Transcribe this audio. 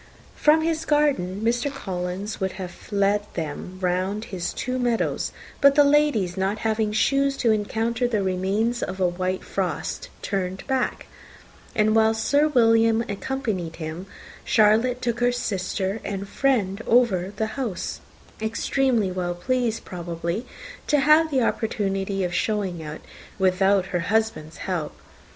From his garden, Mr. Collins would have led them round his two meadows; but the ladies, not having shoes to encounter the remains of a white frost, turned back; and while Sir William accompanied him, Charlotte took her sister and friend over the house, extremely well pleased, probably, to have the opportunity of showing it without her husband's help.